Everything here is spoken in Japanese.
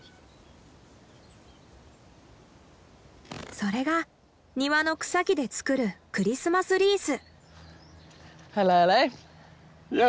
それが庭の草木で作るクリスマスリース。